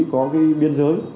có cái biên giới